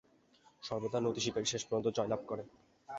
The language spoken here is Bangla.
সর্বদা নতিস্বীকারই শেষ পর্যন্ত জয়লাভ করে।